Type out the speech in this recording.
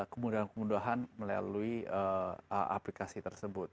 kemudahan kemudahan melalui aplikasi tersebut